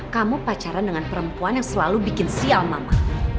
kamu pacaran dengan perempuan yang selalu bikin sial mama